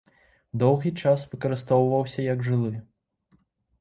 Доўгі час выкарыстоўваўся як жылы.